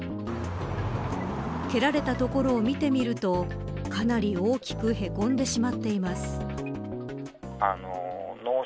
蹴られた所を見てみるとかなり大きくへこんでしまっています。